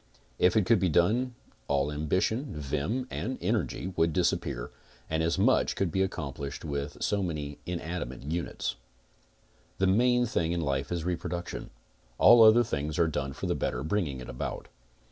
If it could be done all ambition, vim and energy would disappear, and as much could be accomplished with so many inanimate units: The main thing in life is reproduction. All other things are done for the better bringing it about.